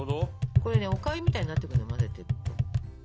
これねおかゆみたいになってくのよ混ぜてると。